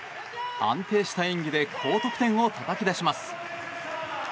安定した演技で高得点をたたき出します。